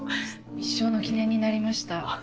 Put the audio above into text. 一生の記念になりました。